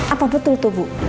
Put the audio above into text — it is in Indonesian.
apa betul tuh bu